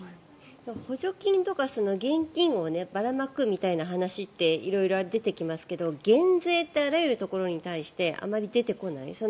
補助金とか現金をばらまくみたいな話って色々出てきますけど減税ってあらゆるところに対してあまり出てこない。